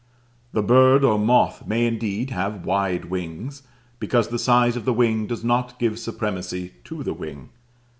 The bird or moth may indeed have wide wings, because the size of the wing does not give supremacy to the wing.